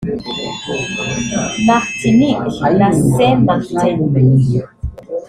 Martinique na Saint-Martin